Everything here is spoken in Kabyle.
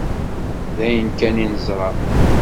D aya kan i neẓra.